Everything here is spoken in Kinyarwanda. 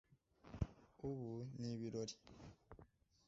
ubu ni ibirori